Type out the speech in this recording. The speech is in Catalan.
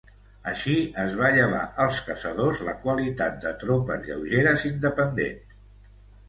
Així es va llevar als caçadors la qualitat de tropes lleugeres independents.